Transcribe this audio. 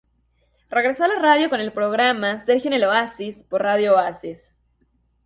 Regresó a la radio con el programa "Sergio en el Oasis", por Radio Oasis.